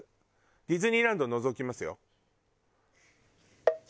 ディズニーランド除きますよ。